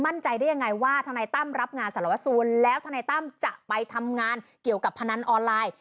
มั่นใจได้ยังไงว่าทนายตั้มรับงานสารวซูลแล้วทนายตั้มจะไปทำงานเกี่ยวกับพนันออนไลน์